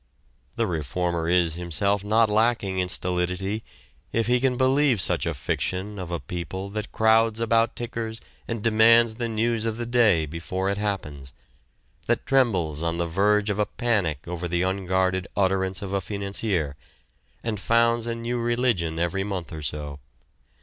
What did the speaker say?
The reformer is himself not lacking in stolidity if he can believe such a fiction of a people that crowds about tickers and demands the news of the day before it happens, that trembles on the verge of a panic over the unguarded utterance of a financier, and founds a new religion every month or so.